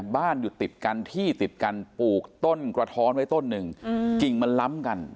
บ้านอยู่ติดกันที่ติดกันปลูกต้นกระท้อนไว้ต้นหนึ่งกิ่งมันล้ำกัน